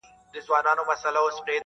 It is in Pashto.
چي پر چا د نعمتونو باران اوري -